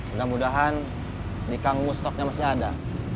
enggak mudahan di kang mus stoknya masih ada